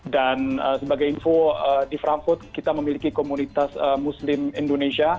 dan sebagai info di frankfurt kita memiliki komunitas muslim indonesia